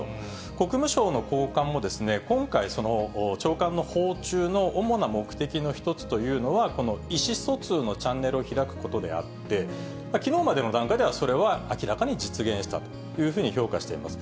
国務省の高官もですね、今回、長官の訪中の主な目的の一つというのは、この意思疎通のチャンネルを開くことであって、きのうまでの段階では、それは明らかに実現したというふうに評価しています。